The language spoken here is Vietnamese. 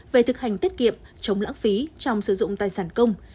về thực hành tiết kiệm chống lãng phí trong sử dụng tài sản công